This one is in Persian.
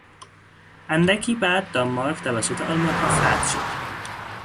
اندکی بعد دانمارک توسط آلمانها فتح شد.